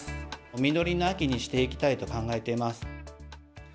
実りの秋にしていきたいと考えています。